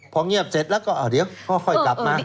พอเงียบเสร็จแล้วก็เดี๋ยวค่อยกลับมา